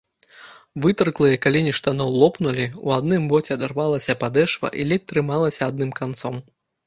Вытырклыя калені штаноў лопнулі, у адным боце адарвалася падэшва і ледзь трымалася адным канцом.